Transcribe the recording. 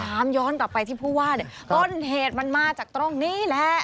ย้อนกลับไปที่ผู้ว่าเนี่ยต้นเหตุมันมาจากตรงนี้แหละ